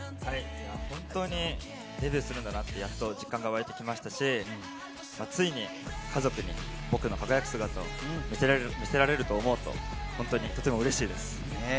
本当にデビューするんだなって、やっと実感がわいてきましたし、ついに家族に僕の輝く姿を見せられると思うと本当にとてもうれしいです。